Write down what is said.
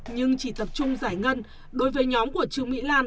nhưng chỉ tập trung giải ngân đối với nhóm của trương mỹ lan